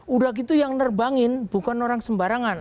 udah gitu yang nerbangin bukan orang sembarangan